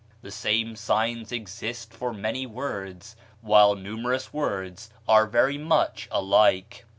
The same signs exist for many words, while numerous words are very much alike.